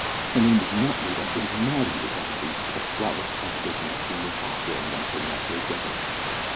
"Her name is not Mita, it is Matty," returned Hetty, with a flatness of contradiction that seemed impossible in one so naturally gentle.